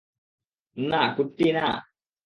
না, কুট্টি, না!